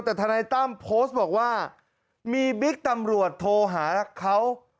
แต่ทนายตั้มโพสต์บอกว่ามีบิ๊กตำรวจโทรหาเขา